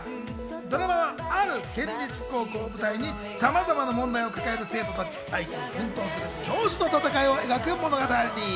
ドラマはある県立高校を舞台にさまざまな問題を抱えた生徒たち相手に奮闘する教師の戦いを描く物語。